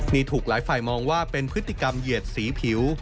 นี่ถูกหลายฝ่ายมองว่าเป็นพฤติกรรมเหยียดสีผิว